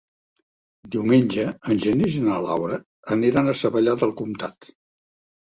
Diumenge en Genís i na Lara aniran a Savallà del Comtat.